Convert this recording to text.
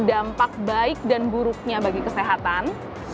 dampak baik dan buruknya bagi kesehatan